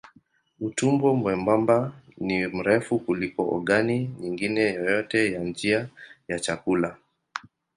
Utumbo mwembamba ni mrefu kuliko ogani nyingine yoyote ya njia ya chakula.